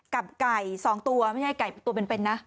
กับไก่๒ตัวไม่ใช่ไก่ตัวเป็นนะ